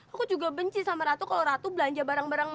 aku juga benci sama ratu kalau ratu belanja barang malam sama kamu